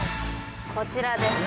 こちらです。